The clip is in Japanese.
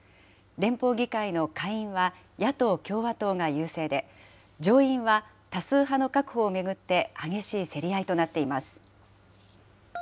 連邦議会の下院は、野党・共和党が優勢で、上院は多数派の確保を巡って激しい競り合いとなっています。